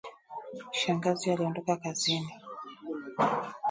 Shangazi aliondoka kazini